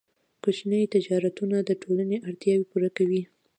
کوچني تجارتونه د ټولنې اړتیاوې پوره کوي.